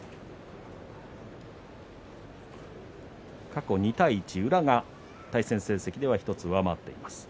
過去２対１、宇良が対戦成績では１つ上回っています。